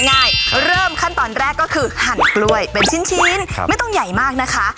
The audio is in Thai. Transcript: เริ่มขั้นตอนแรกก็คือหั่นกล้วยเป็นชิ้นไม่ต้องใหญ่มากนะคะ